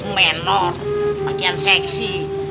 menor bagian seksi